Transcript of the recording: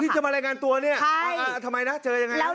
ที่จะมารายการตัวเนี่ยทำไมนะเจออย่างไร